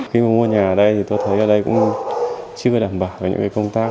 khi mà mua nhà ở đây thì tôi thấy ở đây cũng chưa đảm bảo những công tác